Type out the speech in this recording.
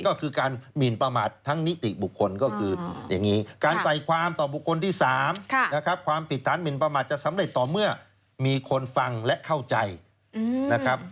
ก็คือการหมินประมาททั้งนิติบุคคลก็คืออย่างนี้การใส่ความต่อบุคคลที่๓นะครับความผิดฐานหมินประมาทจะสำเร็จต่อเมื่อมีคนฟังและเข้าใจนะครับ